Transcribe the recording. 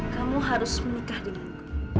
kamu harus menikah dengan aku